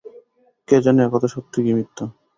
কে জানে একথা সত্য কি মিথ্যা।